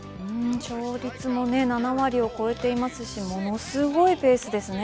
勝率も７割を超えていますしものすごいペースですね。